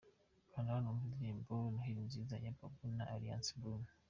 Kanda hano wumve indirimbo Neheli Nziza ya Babou na Alliance Brune .